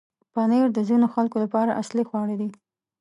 پنېر د ځینو خلکو لپاره اصلي خواړه دی.